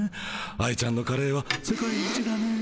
愛ちゃんのカレーは世界一だね。